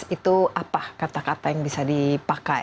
tahun dua ribu delapan belas itu apa kata kata yang bisa dipakai